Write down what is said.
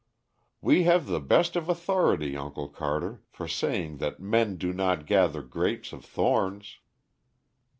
"We have the best of authority, Uncle Carter, for saying that 'men do not gather grapes of thorns!'"